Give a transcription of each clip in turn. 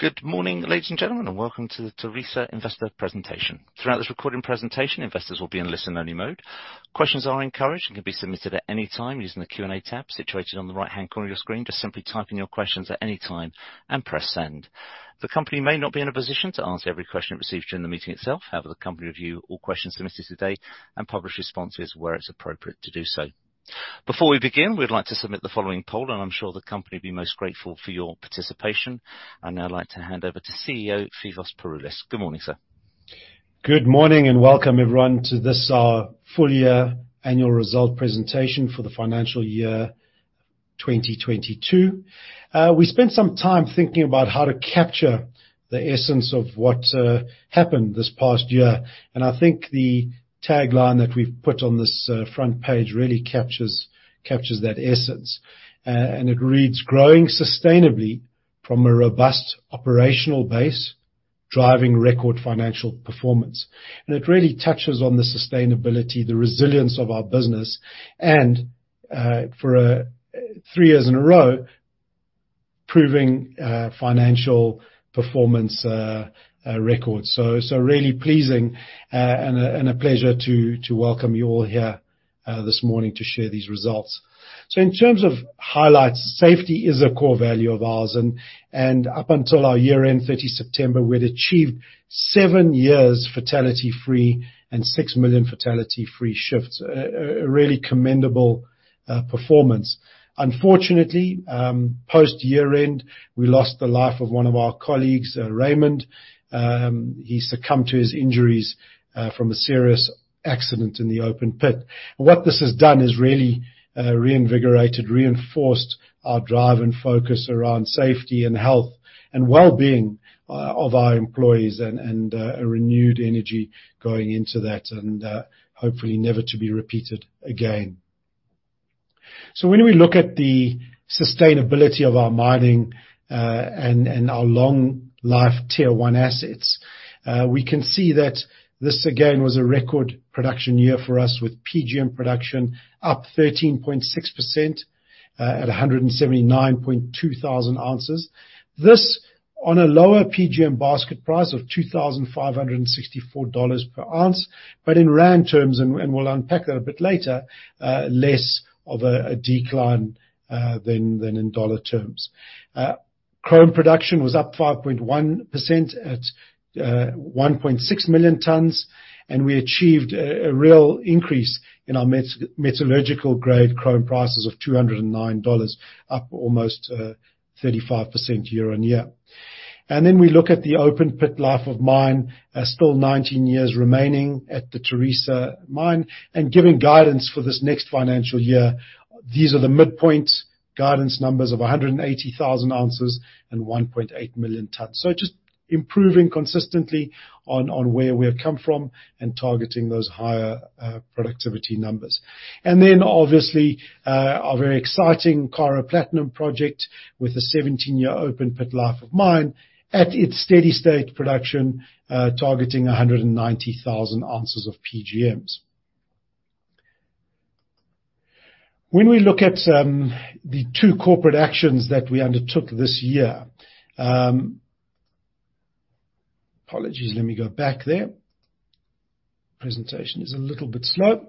Good morning, ladies and gentlemen. Welcome to the Tharisa Investor presentation. Throughout this recorded presentation, investors will be in listen-only mode. Questions are encouraged and can be submitted at any time using the Q&A tab situated on the right-hand corner of your screen. Just simply type in your questions at any time and press send. The company may not be in a position to answer every question it receives during the meeting itself. The company review all questions submitted today and publish responses where it's appropriate to do so. Before we begin, we'd like to submit the following poll, and I'm sure the company will be most grateful for your participation. I'd now like to hand over to CEO, Phoevos Pouroulis. Good morning, sir. Good morning and welcome everyone to this our full-year annual result presentation for the financial year 2022. We spent some time thinking about how to capture the essence of what happened this past year. I think the tagline that we've put on this front page really captures that essence. It reads, "Growing sustainably from a robust operational base, driving record financial performance." It really touches on the sustainability, the resilience of our business, and for three years in a row, proving financial performance records. Really pleasing, and a pleasure to welcome you all here this morning to share these results. In terms of highlights, safety is a core value of ours. Up until our year-end, 30 September, we'd achieved seven years fatality-free and 6 million fatality-free shifts. A really commendable performance. Unfortunately, post year-end, we lost the life of one of our colleagues, Raymond. He succumbed to his injuries from a serious accident in the open pit. What this has done is really reinvigorated, reinforced our drive and focus around safety and health and well-being of our employees and a renewed energy going into that and hopefully never to be repeated again. When we look at the sustainability of our mining and our long life tier one assets, we can see that this again was a record production year for us with PGM production up 13.6% at 179.2 thousand oz. This on a lower PGM basket price of $2,564 per oz. In rand terms, and we'll unpack that a bit later, less of a decline than in dollar terms. Chrome production was up 5.1% at 1.6 million tons, and we achieved a real increase in our metallurgical-grade chrome prices of $209, up almost 35% year-on-year. Then we look at the open pit life of mine, still 19 years remaining at the Tharisa Mine, and giving guidance for this next financial year. These are the midpoint guidance numbers of 180,000 oz and 1.8 million tons. Just improving consistently on where we have come from and targeting those higher productivity numbers. Obviously, our very exciting Karo Platinum Project with a 17-year open pit life of mine at its steady state production, targeting 190,000 ounces of PGMs. We look at the two corporate actions that we undertook this year. Apologies, let me go back there. Presentation is a little bit slow.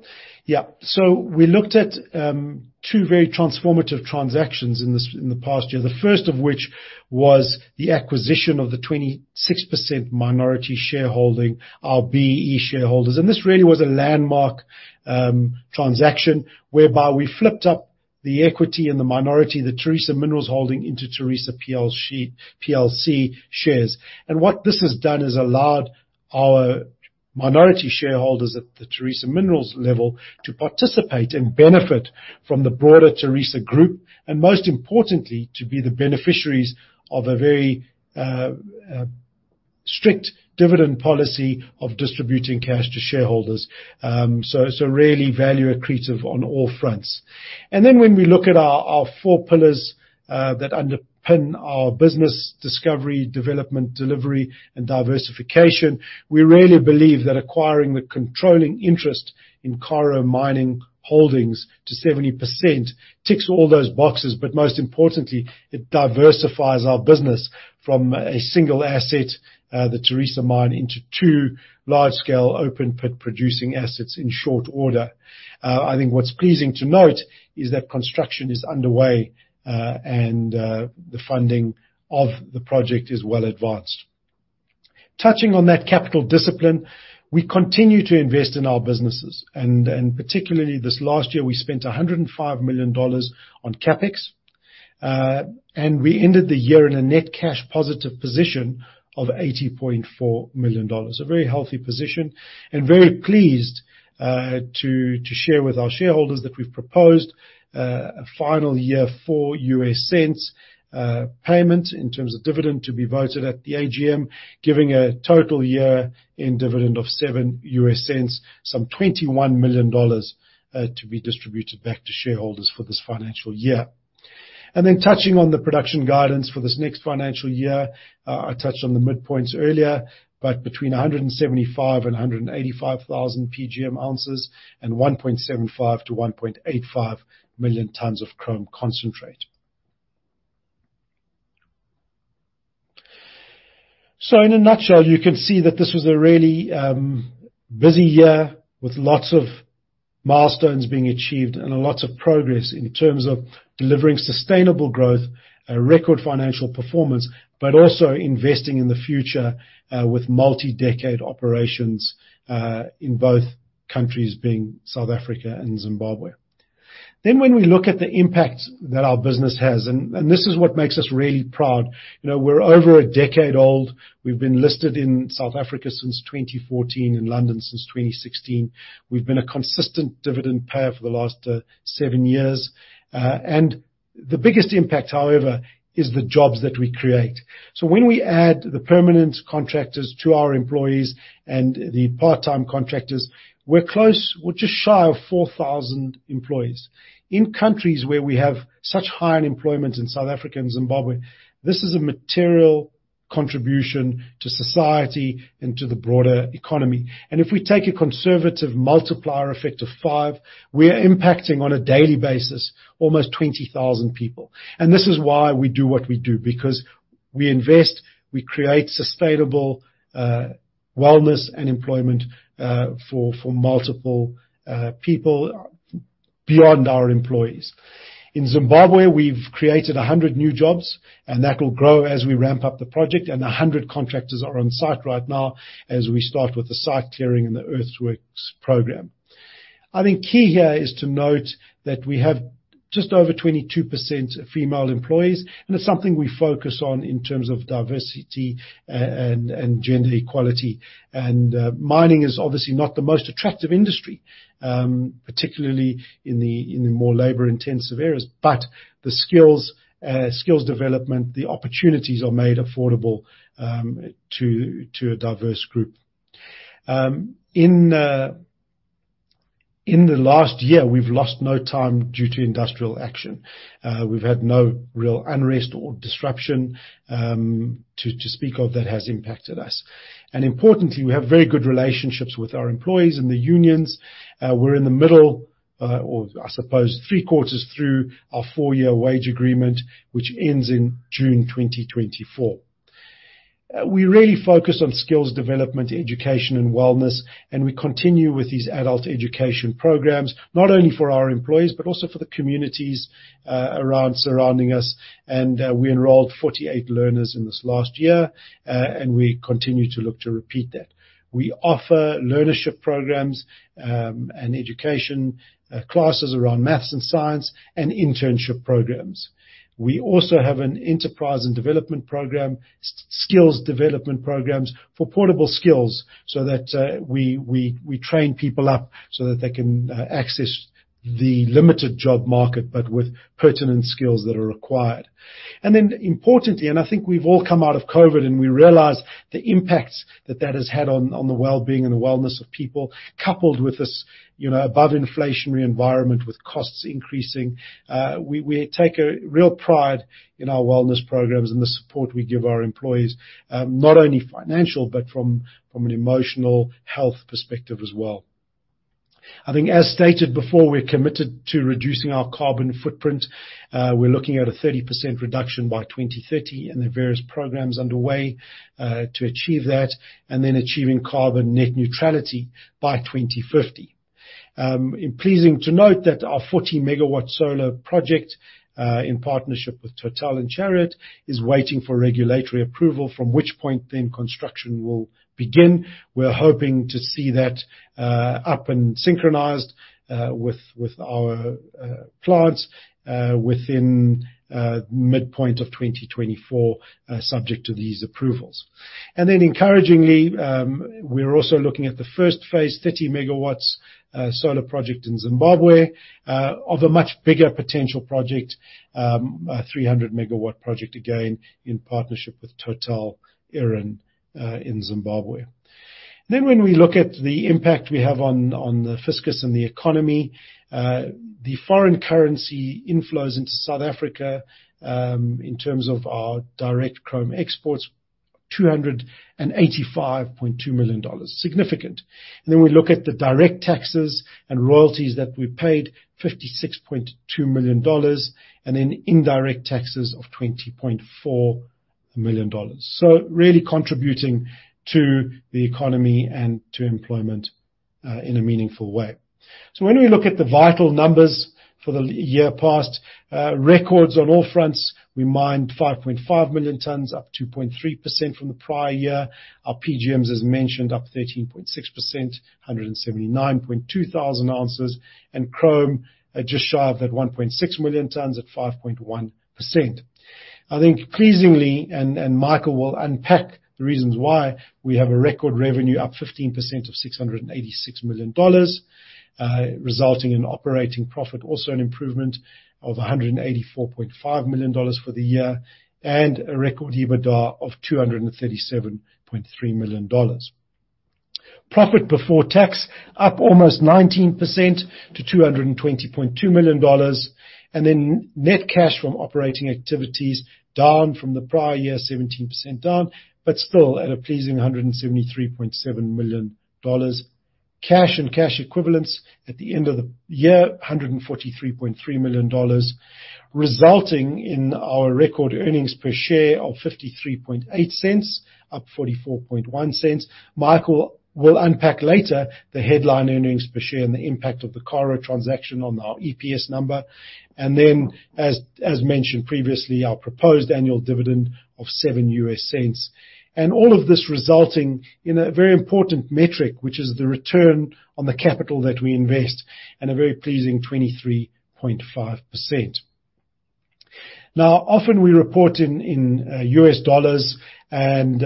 We looked at two very transformative transactions in the past year. The first of which was the acquisition of the 26% minority shareholding, our BEE shareholders. This really was a landmark transaction whereby we flipped up the equity and the minority, the Tharisa Minerals holding into Tharisa plc shares. What this has done is allowed our minority shareholders at the Tharisa Minerals level to participate and benefit from the broader Tharisa Group, and most importantly, to be the beneficiaries of a very strict dividend policy of distributing cash to shareholders. Really value accretive on all fronts. When we look at our four pillars that underpin our business discovery, development, delivery, and diversification, we really believe that acquiring the controlling interest in Karo Mining Holdings to 70% ticks all those boxes. Most importantly, it diversifies our business from a single asset, the Tharisa Mine into two large-scale open pit producing assets in short order. I think what's pleasing to note is that construction is underway, and the funding of the project is well advanced. Touching on that capital discipline, we continue to invest in our businesses, and particularly this last year, we spent $105 million on CapEx, and we ended the year in a net cash positive position of $80.4 million. A very healthy position and very pleased to share with our shareholders that we've proposed a final year $0.04 payment in terms of dividend to be voted at the AGM, giving a total year in dividend of $0.07, some $21 million to be distributed back to shareholders for this financial year. Touching on the production guidance for this next financial year, I touched on the midpoints earlier, but between 175,000-185,000 PGM oz and 1.75 million-1.85 million tons of chrome concentrate. In a nutshell, you can see that this was a really busy year with lots of milestones being achieved and lots of progress in terms of delivering sustainable growth, record financial performance, but also investing in the future with multi-decade operations in both countries, being South Africa and Zimbabwe. When we look at the impact that our business has, and this is what makes us really proud. You know, we're over a decade old. We've been listed in South Africa since 2014, in London since 2016. We've been a consistent dividend payer for the last seven years, and the biggest impact, however, is the jobs that we create. When we add the permanent contractors to our employees and the part-time contractors, we're just shy of 4,000 employees. In countries where we have such high unemployment in South Africa and Zimbabwe, this is a material contribution to society and to the broader economy. If we take a conservative multiplier effect of five, we are impacting on a daily basis, almost 20,000 people. This is why we do what we do, because we invest, we create sustainable wellness and employment for multiple people beyond our employees. In Zimbabwe, we've created 100 new jobs, and that will grow as we ramp up the project. A hundred contractors are on site right now as we start with the site clearing and the earthworks program. I think key here is to note that we have just over 22% female employees, and it's something we focus on in terms of diversity and gender equality. Mining is obviously not the most attractive industry, particularly in the more labor-intensive areas. The skills development, the opportunities are made affordable to a diverse group. In the last year, we've lost no time due to industrial action. We've had no real unrest or disruption to speak of that has impacted us. Importantly, we have very good relationships with our employees and the unions. We're in the middle, or I suppose three quarters through our four-year wage agreement, which ends in June 2024. We really focus on skills development, education and wellness, and we continue with these adult education programs, not only for our employees but also for the communities around surrounding us. We enrolled 48 learners in this last year, and we continue to look to repeat that. We offer learnership programs, and education classes around maths and science and internship programs. We also have an enterprise and development program, skills development programs for portable skills, so that we train people up so that they can access the limited job market, but with pertinent skills that are required. Importantly, and I think we've all come out of COVID, and we realize the impacts that that has had on the well-being and the wellness of people, coupled with this, you know, above-inflationary environment with costs increasing. We take a real pride in our wellness programs and the support we give our employees, not only financial, but from an emotional health perspective as well. I think as stated before, we're committed to reducing our carbon footprint. We're looking at a 30% reduction by 2030 and the various programs underway to achieve that, achieving carbon net neutrality by 2050. Pleasing to note that our 40 MW solar project, in partnership with Total and Chariot, is waiting for regulatory approval, from which point then construction will begin. We're hoping to see that up and synchronized with our plants within midpoint of 2024, subject to these approvals. Encouragingly, we're also looking at the first phase, 30 MW solar project in Zimbabwe, of a much bigger potential project, a 300 MW project, again, in partnership with TotalEnergies in Zimbabwe. When we look at the impact we have on the fiscus and the economy, the foreign currency inflows into South Africa, in terms of our direct chrome exports, $285.2 million. Significant. We look at the direct taxes and royalties that we paid, $56.2 million, and then indirect taxes of $20.4 million. Really contributing to the economy and to employment, in a meaningful way. When we look at the vital numbers for the year past, records on all fronts, we mined 5.5 million tons, up 2.3% from the prior year. Our PGMs, as mentioned, up 13.6%, 179.2 thousand oz. Chrome, just shy of that 1.6 million tons at 5.1%. I think pleasingly, and Michael will unpack the reasons why, we have a record revenue up 15% of $686 million, resulting in operating profit also an improvement of $184.5 million for the year, and a record EBITDA of $237.3 million. Profit before tax up almost 19% to $220.2 million. Net cash from operating activities down from the prior year, 17% down, but still at a pleasing $173.7 million. Cash and cash equivalents at the end of the year, $143.3 million, resulting in our record earnings per share of $0.538, up $0.441. Michael will unpack later the headline earnings per share and the impact of the Karo transaction on our EPS number. As mentioned previously, our proposed annual dividend of $0.07. All of this resulting in a very important metric, which is the return on the capital that we invest at a very pleasing 23.5%. Often we report in US dollars and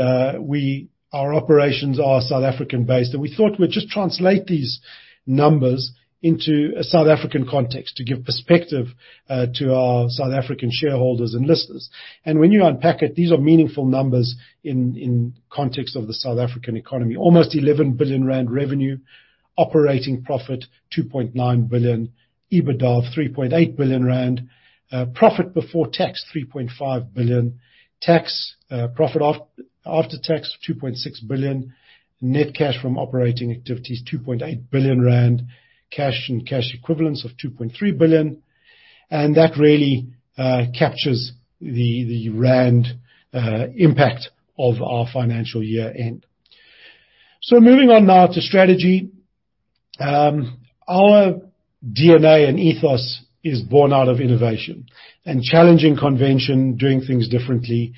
our operations are South African-based, and we thought we'd just translate these numbers into a South African context to give perspective to our South African shareholders and listeners. When you unpack it, these are meaningful numbers in context of the South African economy. Almost 11 billion rand revenue, operating profit 2.9 billion, EBITDA 3.8 billion rand. Profit before tax, 3.5 billion. Tax, profit after tax, 2.6 billion. Net cash from operating activities, 2.8 billion rand. Cash and cash equivalents of 2.3 billion. That really captures the rand impact of our financial year-end. Moving on now to strategy. Our DNA and ethos is born out of innovation and challenging convention, doing things differently.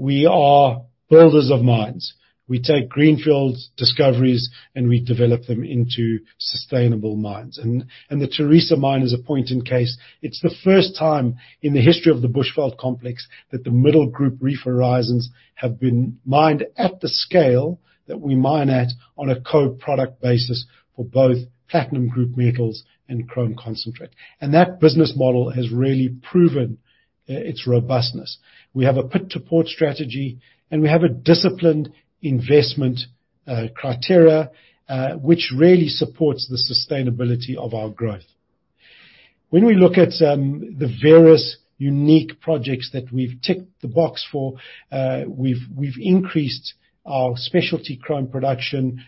We are builders of mines. We take greenfields, discoveries, and we develop them into sustainable mines. The Tharisa Mine is a point in case. It's the first time in the history of the Bushveld Complex that the Middle Group Reef horizons have been mined at the scale that we mine at on a co-product basis for both platinum group metals and chrome concentrate. That business model has really proven its robustness. We have a pit-to-port strategy, and we have a disciplined investment criteria, which really supports the sustainability of our growth. When we look at the various unique projects that we've ticked the box for, we've increased our specialty chrome production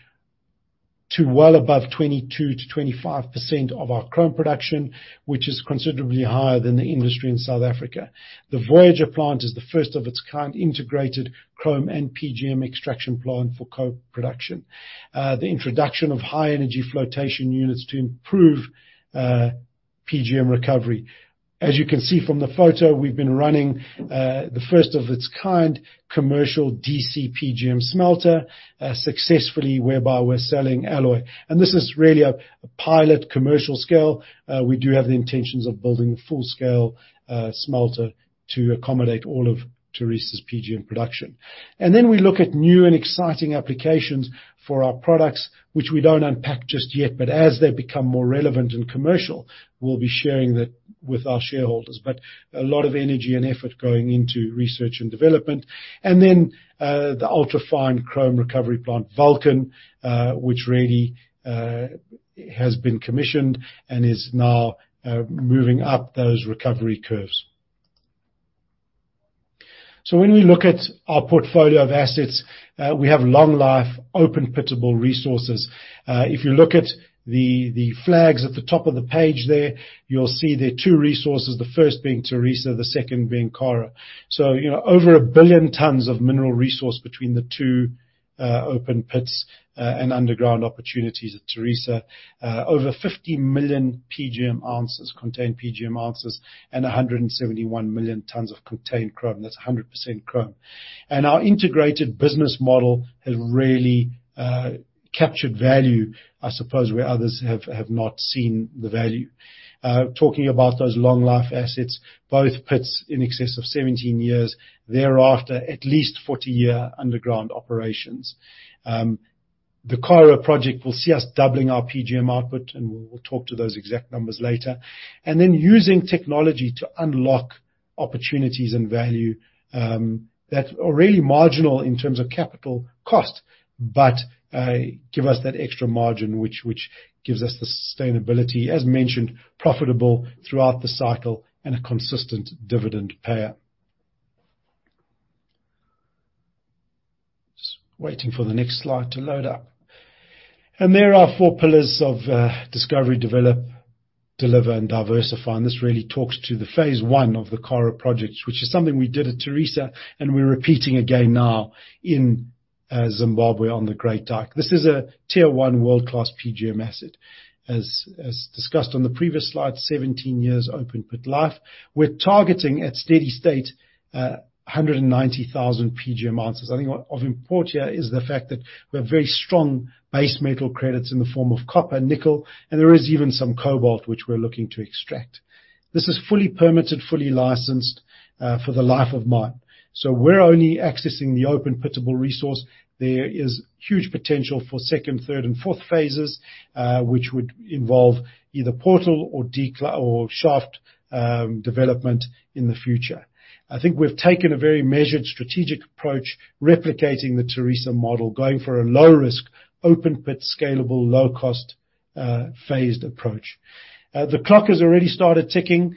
to well above 22%-25% of our chrome production, which is considerably higher than the industry in South Africa. The Voyager Plant is the first of its kind integrated chrome and PGM extraction plant for co-production. The introduction of high-energy flotation units to improve PGM recovery. As you can see from the photo, we've been running the first of its kind commercial DC PGM smelter successfully, whereby we're selling alloy. This is really a pilot commercial scale. We do have the intentions of building a full-scale smelter to accommodate all of Tharisa's PGM production. Then we look at new and exciting applications for our products, which we don't unpack just yet, but as they become more relevant and commercial, we'll be sharing that with our shareholders. A lot of energy and effort going into research and development. Then the ultra-fine chrome recovery plant, Vulcan, which really has been commissioned and is now moving up those recovery curves. When we look at our portfolio of assets, we have long life, open pittable resources. If you look at the flags at the top of the page there, you'll see there are two resources, the first being Tharisa, the second being Karo. You know, over 1 billion tons of mineral resource between the two open pits and underground opportunities at Tharisa. Over 50 million PGM oz, contained PGM oz, and 171 million tons of contained chrome. That's 100% chrome. Our integrated business model has really captured value, I suppose, where others have not seen the value. Talking about those long life assets, both pits in excess of 17 years. Thereafter, at least 40-year underground operations. The Karo Project will see us doubling our PGM output, and we'll talk to those exact numbers later. Using technology to unlock opportunities and value that are really marginal in terms of capital cost, but give us that extra margin which gives us the sustainability, as mentioned, profitable throughout the cycle and a consistent dividend payer. Just waiting for the next slide to load up. There are our four pillars of discovery, develop, deliver, and diversify. This really talks to the phase one of the Karo Project, which is something we did at Tharisa, we're repeating again now in Zimbabwe on the Great Dyke. This is a tier one world-class PGM asset. As discussed on the previous slide, 17 years open-pit life. We're targeting at steady state 190,000 PGM ounces. I think of importance here is the fact that we have very strong base metal credits in the form of copper, nickel, and there is even some cobalt which we're looking to extract. This is fully permitted, fully licensed for the life of mine. We're only accessing the open pittable resource. There is huge potential for second, third, and fourth phases, which would involve either portal or shaft development in the future. I think we've taken a very measured strategic approach replicating the Tharisa model, going for a low risk, open pit, scalable, low cost, phased approach. The clock has already started ticking.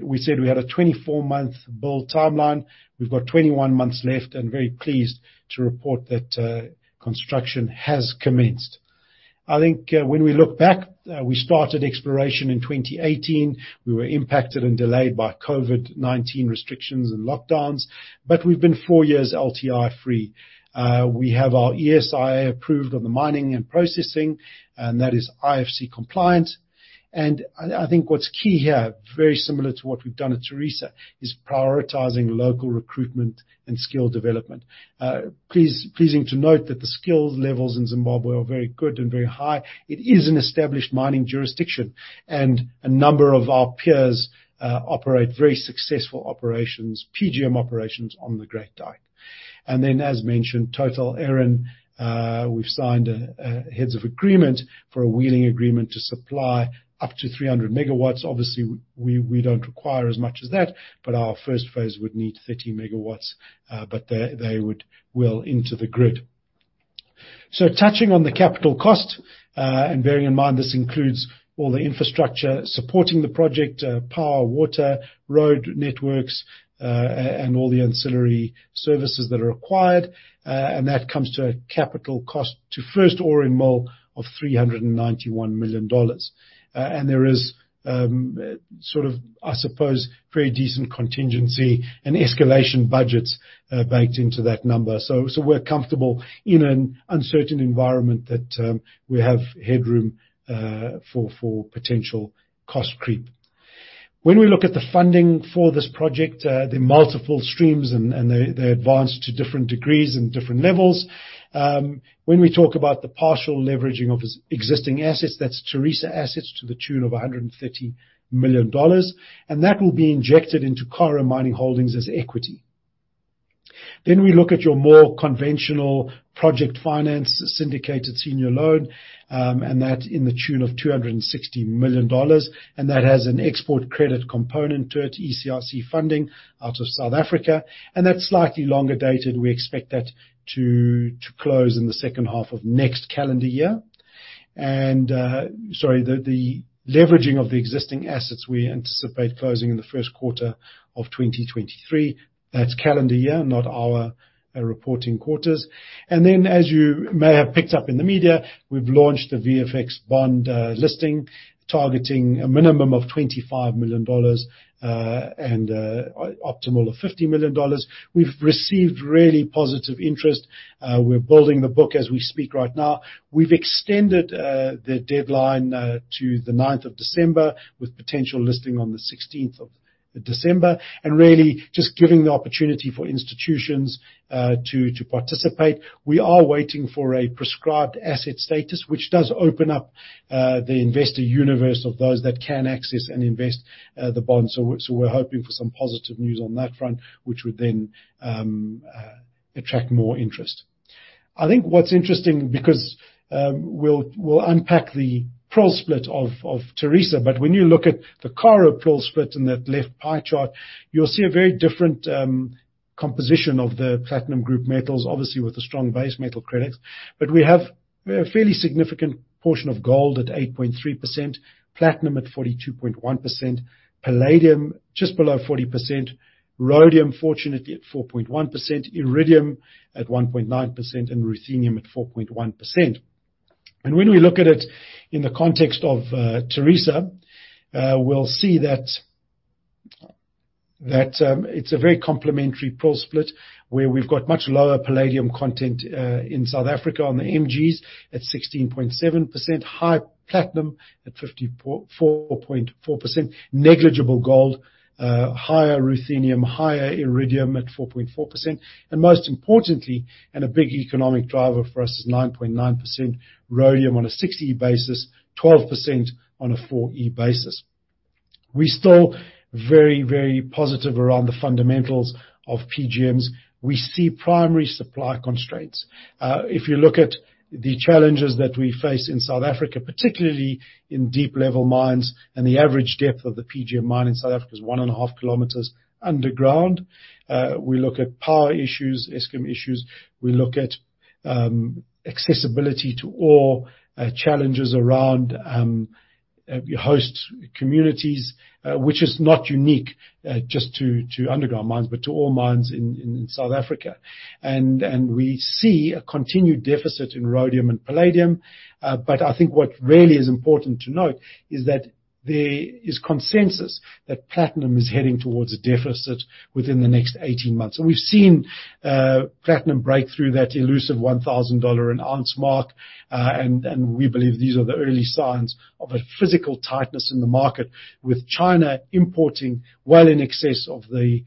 We said we had a 24-month build timeline. We've got 21 months left, very pleased to report that construction has commenced. I think, when we look back, we started exploration in 2018. We were impacted and delayed by COVID-19 restrictions and lockdowns, we've been four years LTI free. We have our ESIA approved on the mining and processing, that is IFC compliant. I think what's key here, very similar to what we've done at Tharisa, is prioritizing local recruitment and skill development. Pleasing to note that the skills levels in Zimbabwe are very good and very high. It is an established mining jurisdiction. A number of our peers operate very successful operations, PGM operations on the Great Dyke. Then, as mentioned, TotalEnergies, we've signed a heads of agreement for a wheeling agreement to supply up to 300 MW. Obviously, we don't require as much as that, but our first phase would need 30 MW, but they would wheel into the grid. Touching on the capital cost, and bearing in mind, this includes all the infrastructure supporting the project, power, water, road networks, and all the ancillary services that are required, and that comes to a capital cost to first ore in mill of $391 million. There is, sort of, I suppose, very decent contingency and escalation budgets baked into that number. We're comfortable in an uncertain environment that we have headroom for potential cost creep. When we look at the funding for this project, there are multiple streams and they advance to different degrees and different levels. When we talk about the partial leveraging of existing assets, that's Tharisa assets to the tune of $130 million, and that will be injected into Karo Mining Holdings as equity. We look at your more conventional project finance syndicated senior loan, and that's in the tune of $260 million. That has an export credit component to it, ECIC funding out of South Africa, and that's slightly longer dated. We expect that to close in the second half of next calendar year. Sorry, the leveraging of the existing assets we anticipate closing in the first quarter of 2023. That's calendar year, not our reporting quarters. As you may have picked up in the media, we've launched the VFX bond listing, targeting a minimum of $25 million and optimal of $50 million. We've received really positive interest. We're building the book as we speak right now. We've extended the deadline to the 9th of December with potential listing on the 16th of December, and really just giving the opportunity for institutions to participate. We are waiting for a prescribed asset status, which does open up the investor universe of those that can access and invest the bonds. We're hoping for some positive news on that front, which would then attract more interest. I think what's interesting because we'll unpack the PGM split of Tharisa, but when you look at the Karo PGM split in that left pie chart, you'll see a very different composition of the platinum group metals, obviously with strong base metal credits. We have a fairly significant portion of gold at 8.3%, platinum at 42.1%, palladium just below 40%, rhodium, fortunately, at 4.1%, iridium at 1.9%, and ruthenium at 4.1%. When we look at it in the context of Tharisa, we'll see that it's a very complementary pro split, where we've got much lower palladium content in South Africa on the MGs at 16.7%, high platinum at 54.4%, negligible gold, higher ruthenium, higher iridium at 4.4%, most importantly, a big economic driver for us is 9.9% rhodium on a 6E basis, 12% on a 4E basis. We're still very, very positive around the fundamentals of PGMs. We see primary supply constraints. If you look at the challenges that we face in South Africa, particularly in deep-level mines, and the average depth of the PGM mine in South Africa is 1.5 km underground. We look at power issues, Eskom issues. We look at accessibility to ore, challenges around your host communities, which is not unique just to underground mines, but to all mines in South Africa. We see a continued deficit in rhodium and palladium. But I think what really is important to note is that there is consensus that platinum is heading towards a deficit within the next 18 months. We've seen platinum break through that elusive $1,000 an ounce mark. We believe these are the early signs of a physical tightness in the market with China importing well in excess of the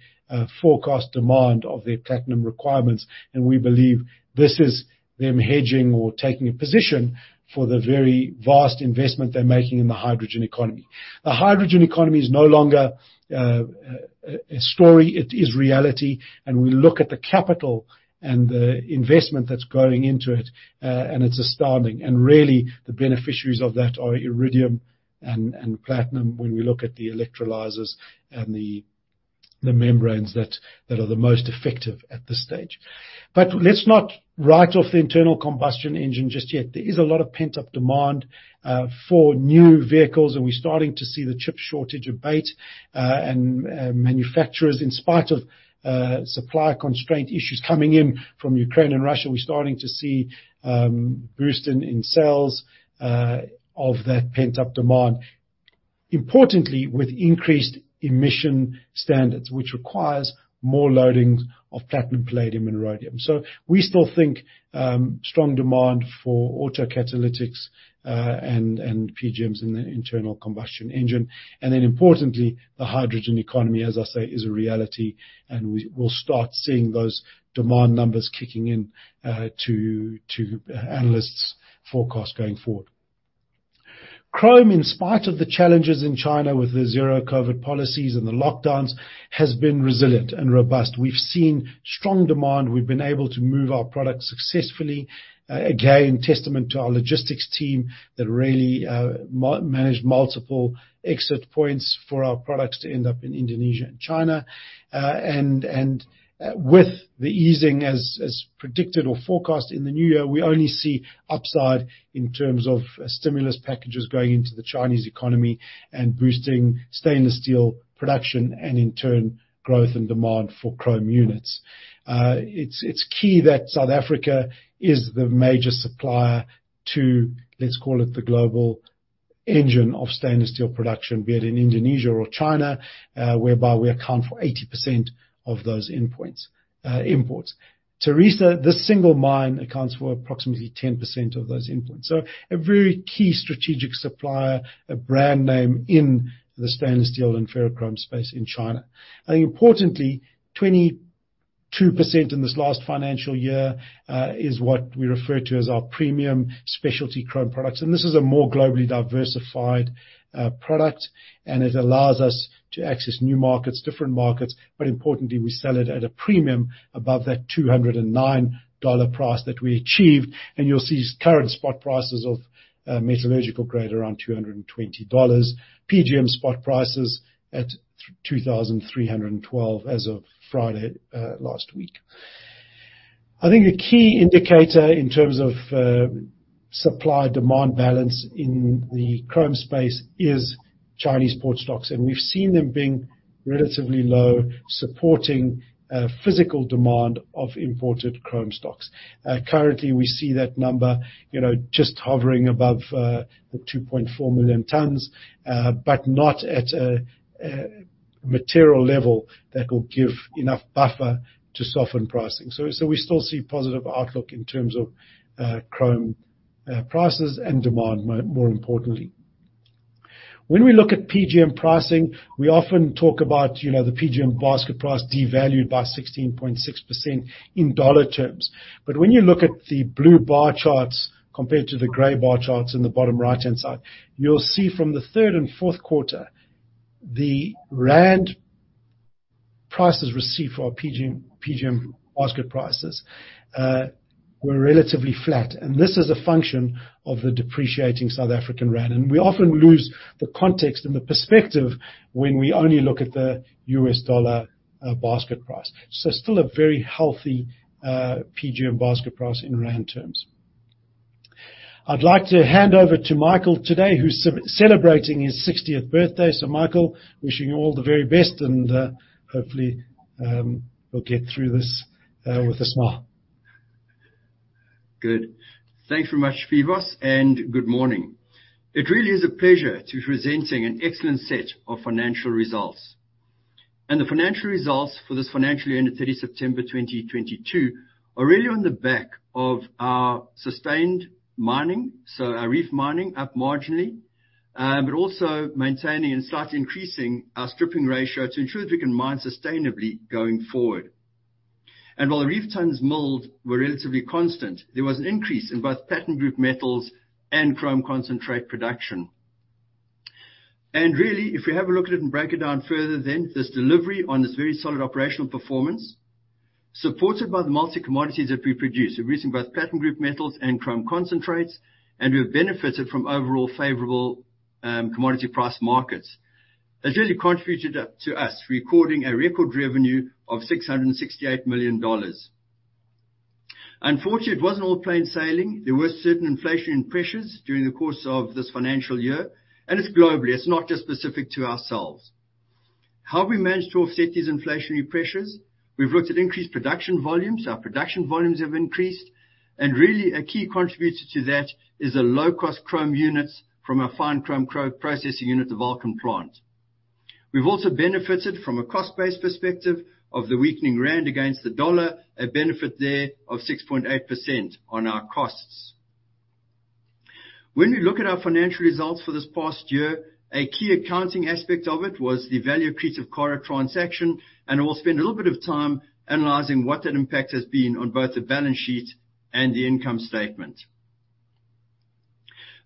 forecast demand of their platinum requirements. We believe this is them hedging or taking a position for the very vast investment they're making in the hydrogen economy. The hydrogen economy is no longer a story, it is reality, we look at the capital and the investment that's going into it, and it's astounding. Really, the beneficiaries of that are iridium and platinum when we look at the electrolyzers and the membranes that are the most effective at this stage. Let's not write off the internal combustion engine just yet. There is a lot of pent-up demand for new vehicles, we're starting to see the chip shortage abate. Manufacturers, in spite of supply constraint issues coming in from Ukraine and Russia, we're starting to see boost in sales of that pent-up demand. Importantly, with increased emission standards, which requires more loadings of platinum, palladium and rhodium. We still think strong demand for auto catalytics, and PGMs in the internal combustion engine. Importantly, the hydrogen economy, as I say, is a reality, and we'll start seeing those demand numbers kicking in to analysts' forecasts going forward. Chrome, in spite of the challenges in China with the zero-COVID policies and the lockdowns, has been resilient and robust. We've seen strong demand. We've been able to move our products successfully. Again, testament to our logistics team that really managed multiple exit points for our products to end up in Indonesia and China. With the easing as predicted or forecast in the new year, we only see upside in terms of stimulus packages going into the Chinese economy and boosting stainless steel production and in turn, growth and demand for chrome units. It's key that South Africa is the major supplier to, let's call it the global engine of stainless steel production, be it in Indonesia or China, whereby we account for 80% of those endpoints, imports. Tharisa, this single mine accounts for approximately 10% of those imports. A very key strategic supplier, a brand name in the stainless steel and ferrochrome space in China. Importantly, 22% in this last financial year is what we refer to as our premium specialty chrome products, and this is a more globally diversified product, and it allows us to access new markets, different markets. Importantly, we sell it at a premium above that $209 price that we achieved. You'll see current spot prices of metallurgical grade around $220. PGM spot prices at $2,312 as of Friday last week. I think a key indicator in terms of supply-demand balance in the chrome space is Chinese port stocks. We've seen them being relatively low, supporting physical demand of imported chrome stocks. Currently, we see that number, you know, just hovering above 2.4 million tons, but not at a material level that will give enough buffer to soften pricing. We still see positive outlook in terms of chrome prices and demand more importantly. When we look at PGM pricing, we often talk about, you know, the PGM basket price devalued by 16.6% in dollar terms. When you look at the blue bar charts compared to the gray bar charts in the bottom right-hand side, you'll see from the third and fourth quarter, the rand prices received for our PGM basket prices were relatively flat. This is a function of the depreciating South African rand. We often lose the context and the perspective when we only look at the U.S. dollar basket price. Still a very healthy PGM basket price in rand terms. I'd like to hand over to Michael today, who's celebrating his 60th birthday. Michael, wishing you all the very best and hopefully we'll get through this with a smile. Good. Thanks very much, Phoevos, and good morning. It really is a pleasure to be presenting an excellent set of financial results. The financial results for this financial year-ended 30 September 2022 are really on the back of our sustained mining, so our reef mining up marginally, but also maintaining and slightly increasing our stripping ratio to ensure that we can mine sustainably going forward. While the reef tonnes milled were relatively constant, there was an increase in both platinum group metals and chrome concentrate production. Really, if you have a look at it and break it down further, then there's delivery on this very solid operational performance, supported by the multi commodities that we produce, increasing both platinum group metals and chrome concentrates, and we have benefited from overall favorable commodity price markets. It's really contributed to us recording a record revenue of $668 million. Unfortunately, it wasn't all plain sailing. There were certain inflationary pressures during the course of this financial year, and it's globally, it's not just specific to ourselves. How have we managed to offset these inflationary pressures? We've looked at increased production volumes. Our production volumes have increased, and really a key contributor to that is the low-cost chrome units from our fine chrome processing unit, the Vulcan Plant. We've also benefited from a cost-based perspective of the weakening rand against the dollar, a benefit there of 6.8% on our costs. We look at our financial results for this past year, a key accounting aspect of it was the value accretive Karo transaction, we'll spend a little bit of time analyzing what that impact has been on both the balance sheet and the income statement.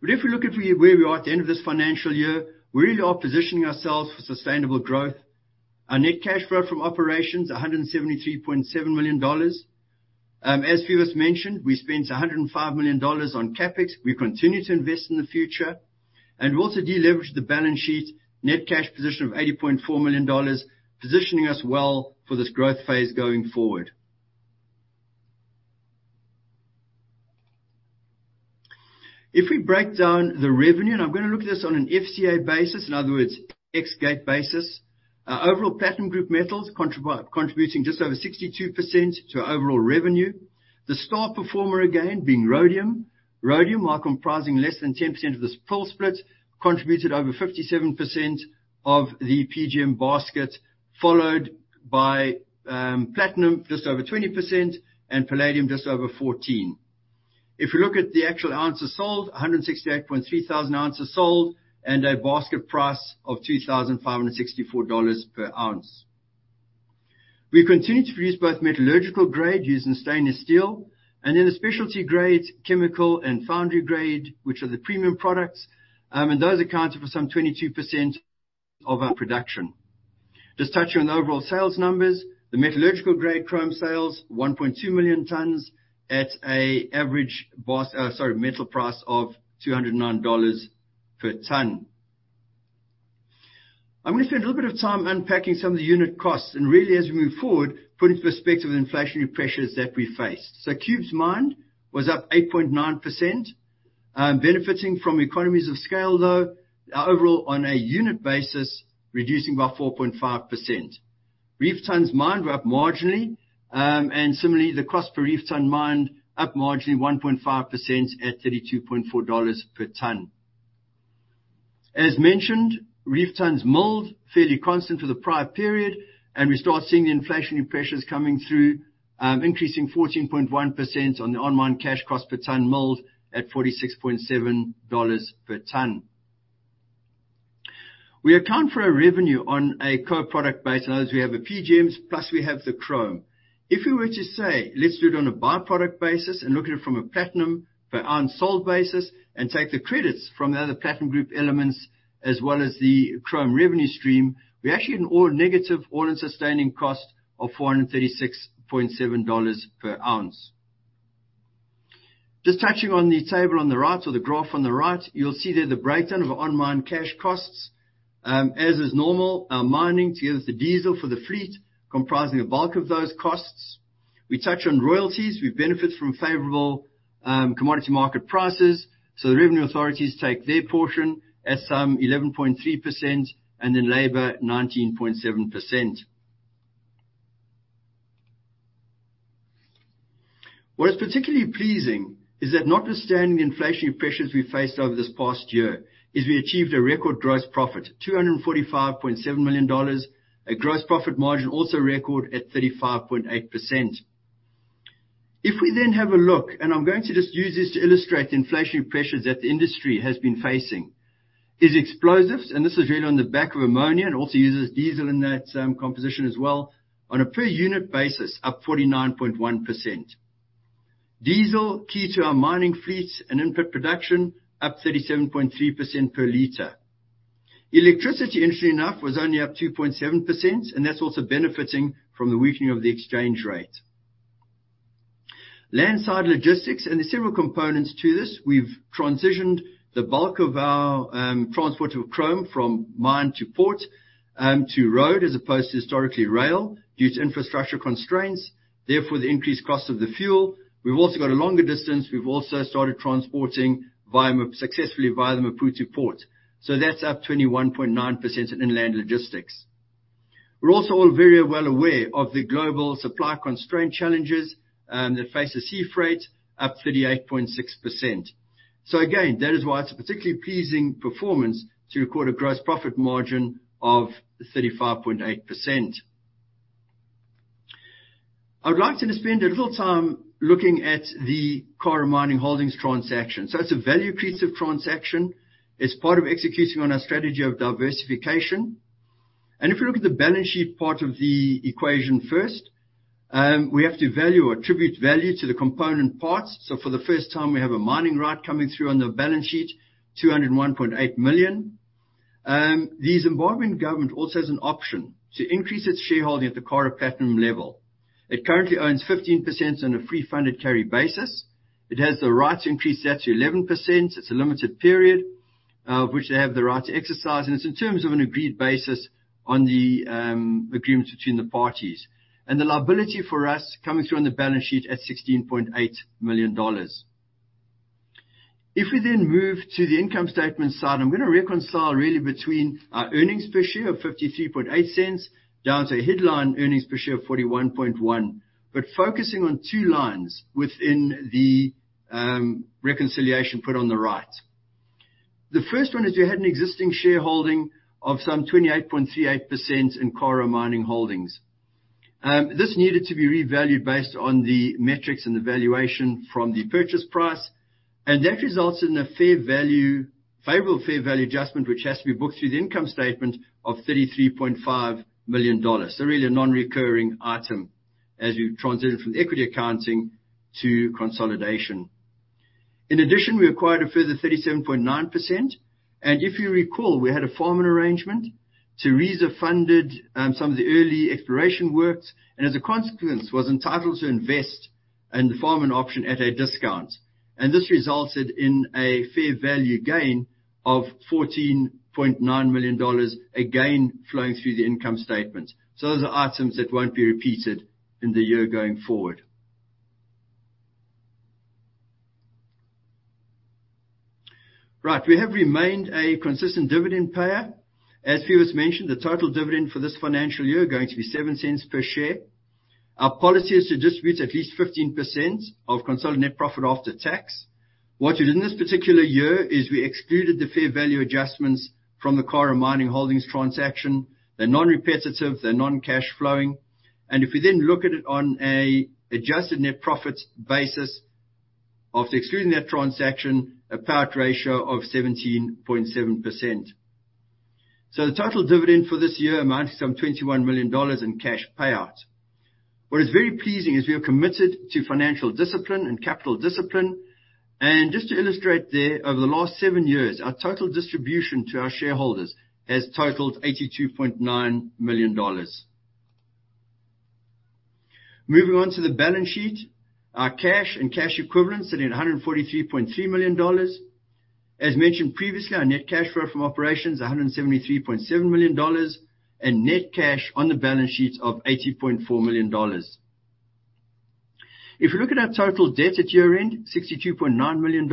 If we look at where we are at the end of this financial year, we really are positioning ourselves for sustainable growth. Our net cash flow from operations, $173.7 million. As previous mentioned, we spent $105 million on CapEx. We continue to invest in the future we also de-leveraged the balance sheet net cash position of $80.4 million, positioning us well for this growth phase going forward. If we break down the revenue, I'm going to look at this on an FCA basis, in other words, ex-gate basis, our overall Platinum Group Metals contributing just over 62% to our overall revenue. The star performer again being rhodium. Rhodium, while comprising less than 10% of the spill split, contributed over 57% of the PGM basket, followed by platinum just over 20% and palladium just over 14. If we look at the actual ounces sold, 168.3 thousand ounces sold and a basket price of $2,564 per ounce. We continue to produce both metallurgical grade used in stainless steel and then the specialty grade, chemical and foundry grade, which are the premium products, those accounted for some 22% of our production. Just touching on the overall sales numbers. The metallurgical grade chrome sales, 1.2 million tons at a average metal price of $209 per ton. I'm gonna spend a little bit of time unpacking some of the unit costs and really as we move forward, put into perspective the inflationary pressures that we face. Tharisa Mine was up 8.9%, benefiting from economies of scale, though overall on a unit basis, reducing by 4.5%. Reef Tonnes mined were up marginally, and similarly, the cost per reef tonne mined up marginally 1.5% at $32.4 per tonne. As mentioned, reef tonnes milled fairly constant for the prior period. We start seeing the inflationary pressures coming through, increasing 14.1% on the on-mine cash cost per tonne milled at $46.7 per tonne. We account for our revenue on a co-product basis. In other words, we have the PGMs plus we have the chrome. If we were to say, let's do it on a by-product basis and look at it from a platinum per ounce sold basis and take the credits from the other platinum group elements as well as the chrome revenue stream, we actually get an all negative all-in sustaining cost of $436.7 per oz. Just touching on the table on the right or the graph on the right, you'll see there the breakdown of our on-mine cash costs. As is normal, our mining together with the diesel for the fleet comprising the bulk of those costs. We touch on royalties. We benefit from favorable commodity market prices, so the revenue authorities take their portion at some 11.3% and then labor, 19.7%. What is particularly pleasing is that notwithstanding the inflationary pressures we faced over this past year, is we achieved a record gross profit, $245.7 million. A gross profit margin also record at 35.8%. If we then have a look, and I'm going to just use this to illustrate the inflationary pressures that the industry has been facing, is explosives, and this is really on the back of ammonia and also uses diesel in that composition as well, on a per unit basis, up 49.1%. Diesel, key to our mining fleets and input production, up 37.3% per liter. Electricity, interestingly enough, was only up 2.7%. That's also benefiting from the weakening of the exchange rate. Landside logistics, there's several components to this. We've transitioned the bulk of our transport of chrome from mine to port to road as opposed to historically rail due to infrastructure constraints, therefore, the increased cost of the fuel. We've also got a longer distance. We've also started transporting successfully via the Maputo Port. That's up 21.9% in inland logistics. We're also all very well aware of the global supply constraint challenges that face the sea freight, up 38.6%. Again, that is why it's a particularly pleasing performance to record a gross profit margin of 35.8%. I'd like to just spend a little time looking at the Karo Mining Holdings transaction. It's a value-creative transaction. It's part of executing on our strategy of diversification. If you look at the balance sheet part of the equation first, we have to value or attribute value to the component parts. For the first time, we have a mining right coming through on the balance sheet, $201.8 million. The Zimbabwean government also has an option to increase its shareholding at the Karo Platinum level. It currently owns 15% on a free funded carry basis. It has the right to increase that to 11%. It's a limited period which they have the right to exercise, and it's in terms of an agreed basis on the agreements between the parties. The liability for us coming through on the balance sheet at $16.8 million. We move to the income statement side, I'm gonna reconcile really between our earnings per share of $0.538 down to a headline earnings per share of $0.411, focusing on two lines within the reconciliation put on the right. The first one is we had an existing shareholding of some 28.38% in Karo Mining Holdings. This needed to be revalued based on the metrics and the valuation from the purchase price, that results in a favorable fair value adjustment, which has to be booked through the income statement of $33.5 million. Really a non-recurring item as we've transitioned from equity accounting to consolidation. In addition, we acquired a further 37.9%. If you recall, we had a farm-in arrangement. Tharisa funded some of the early exploration works, and as a consequence, was entitled to invest in the farm-in option at a discount. This resulted in a fair value gain of $14.9 million, again, flowing through the income statement. Those are items that won't be repeated in the year going forward. Right. We have remained a consistent dividend payer. As Phoevos mentioned, the total dividend for this financial year is going to be $0.07 per share. Our policy is to distribute at least 15% of consolidated net profit after tax. What we did in this particular year is we excluded the fair value adjustments from the Karo Mining Holdings transaction. They're non-repetitive, they're non-cash flowing. If we then look at it on an adjusted net profits basis, after excluding that transaction, a payout ratio of 17.7%. The total dividend for this year amounts to some $21 million in cash payout. What is very pleasing is we are committed to financial discipline and capital discipline. Just to illustrate there, over the last seven years, our total distribution to our shareholders has totaled $82.9 million. Moving on to the balance sheet. Our cash and cash equivalents sit at $143.3 million. As mentioned previously, our net cash flow from operations, $173.7 million, and net cash on the balance sheet of $80.4 million. If you look at our total debt at year-end, $62.9 million.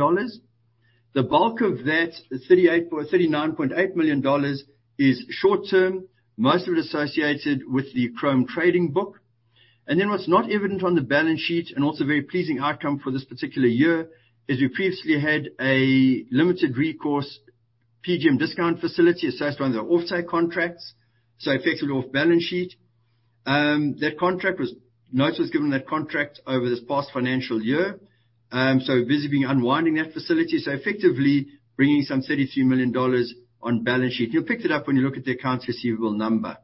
The bulk of that, $38 point, $39.8 million, is short-term, most of it associated with the chrome trading book. What's not evident on the balance sheet and also a very pleasing outcome for this particular year, is we previously had a limited recourse PGM discount facility assessed under offtake contracts, so effective off balance sheet. Notice was given on that contract over this past financial year, so we're busy unwinding that facility, so effectively bringing some $33 million on balance sheet. You'll pick that up when you look at the accounts receivable number.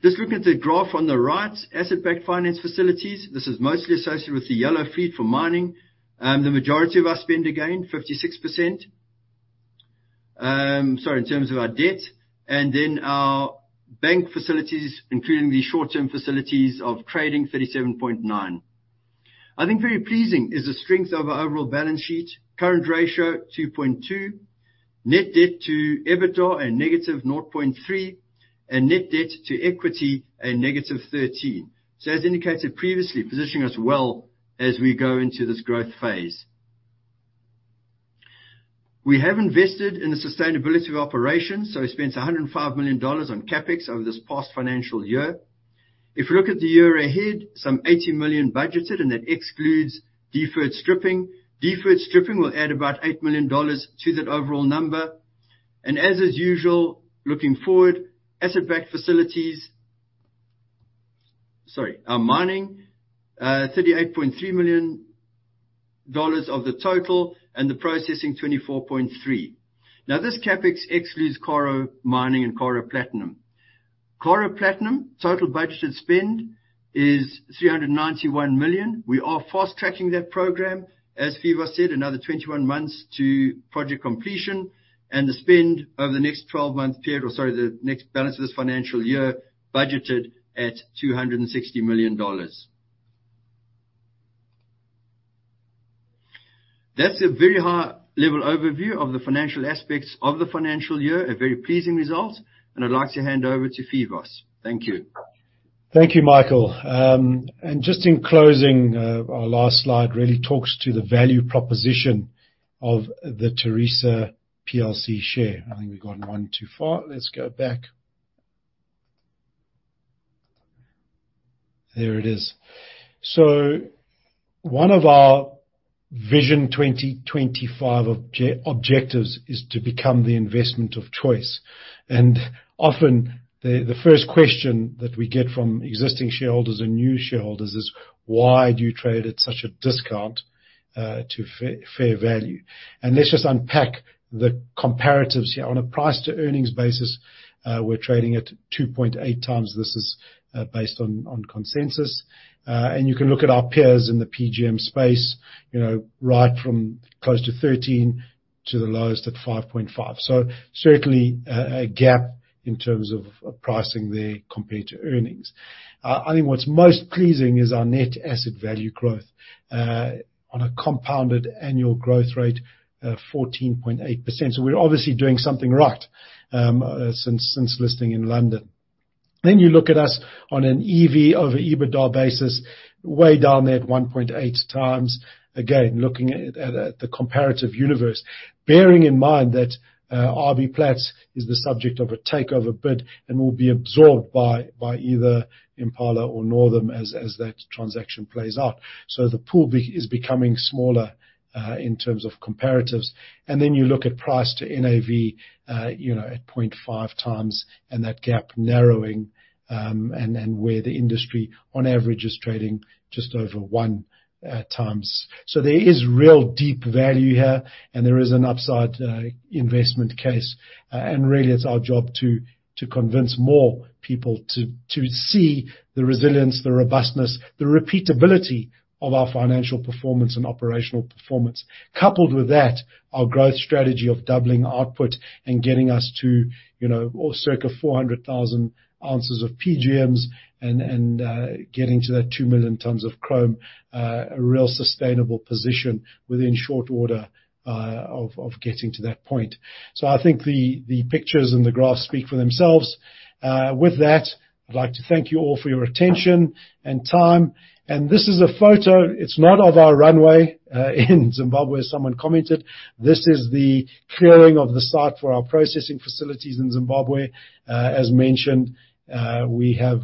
Just looking at the graph on the right, asset-backed finance facilities. This is mostly associated with the yellow fleet for mining. The majority of our spend, again, 56%. Sorry, in terms of our debt. Our bank facilities, including the short-term facilities of trading, $37.9 million. I think very pleasing is the strength of our overall balance sheet. Current ratio, 2.2. Net debt to EBITDA, a -0.3. Net debt to equity, a -13. As indicated previously, positioning us well as we go into this growth phase. We have invested in the sustainability of operations, we spent $105 million on CapEx over this past financial year. If you look at the year ahead, some $80 million budgeted, and that excludes deferred stripping. Deferred stripping will add about $8 million to that overall number. As is usual, looking forward, asset-backed facilities. Sorry. Our mining, $38.3 million of the total, and the processing $24.3 million. This CapEx excludes Karo Mining Holdings and Karo Platinum. Karo Platinum, total budgeted spend is $391 million. We are fast-tracking that program. As Phoevos said, another 21 months to project completion and the spend over the next balance of this financial year, budgeted at $260 million. That's a very high-level overview of the financial aspects of the financial year, a very pleasing result, and I'd like to hand over to Phoevos. Thank you. Thank you, Michael. Just in closing, our last slide really talks to the value proposition of the Tharisa plc share. I think we've gone one too far. Let's go back. There it is. One of our vision 2025 objectives is to become the investment of choice. Often the first question that we get from existing shareholders and new shareholders is: Why do you trade at such a discount to fair value? Let's just unpack the comparatives here. On a price-to-earnings basis, we're trading at 2.8x. This is based on consensus. You can look at our peers in the PGM space, you know, right from close to 13 to the lowest at 5.5. Certainly a gap in terms of pricing there compared to earnings. I think what's most pleasing is our net asset value growth on a compounded annual growth rate of 14.8%. We're obviously doing something right since listing in London. You look at us on an EV/EBITDA basis, way down there at 1.8x. Again, looking at the comparative universe, bearing in mind that RB Plats is the subject of a takeover bid and will be absorbed by either Impala or Northam as that transaction plays out. The pool is becoming smaller in terms of comparatives. You look at price to NAV, you know, at 0.5x and that gap narrowing, and where the industry on average is trading just over 1x. There is real deep value here, and there is an upside investment case. Really it's our job to convince more people to see the resilience, the robustness, the repeatability of our financial performance and operational performance. Coupled with that, our growth strategy of doubling output and getting us to, you know, or circa 400,000 oz of PGMs and getting to that 2 million tons of chrome, a real sustainable position within short order of getting to that point. I think the pictures and the graphs speak for themselves. With that, I'd like to thank you all for your attention and time. This is a photo. It's not of our runway in Zimbabwe, as someone commented. This is the clearing of the site for our processing facilities in Zimbabwe. As mentioned, we have